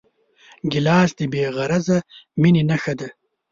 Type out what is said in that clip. ګیلاس د بېغرضه مینې نښه ده.